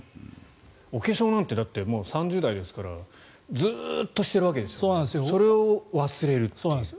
お化粧なんて３０代ですからずっとしているわけですよね。